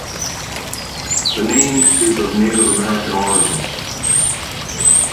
The name is of Native American origin.